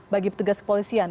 bagi petugas kepolisian